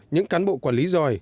những cán bộ quản lý giỏi